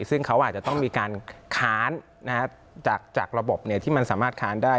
ซึ่งเขาอาจจะต้องมีการค้านจากระบบที่มันสามารถค้านได้